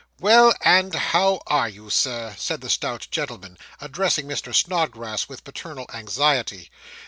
'Well, and how are you, sir?' said the stout gentleman, addressing Mr. Snodgrass with paternal anxiety.